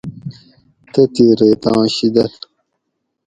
تتھیں ریتاں شِیدل